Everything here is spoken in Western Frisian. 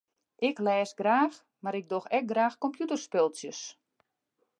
Ik lês graach mar ik doch ek graach kompjûterspultsjes.